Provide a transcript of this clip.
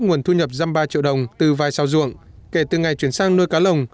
nguồn thu nhập dăm ba triệu đồng từ vài sao ruộng kể từ ngày chuyển sang nuôi cá lồng